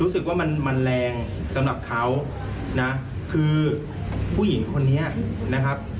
รู้สึกว่ามันมันแรงสำหรับเขานะคือผู้หญิงคนนี้นะครับ